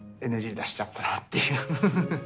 ＮＧ出しちゃったなっていう。